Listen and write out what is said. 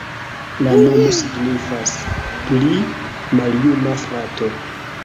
La nomo signifas: pli maljuna frato.